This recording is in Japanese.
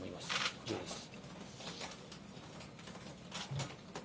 以上です。